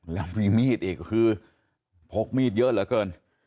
แล้วมีมีดอีกคือพกมีดเยอะเหลือเกิน